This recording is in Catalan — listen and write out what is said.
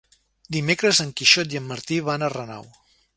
Dimecres en Quixot i en Martí van a Renau.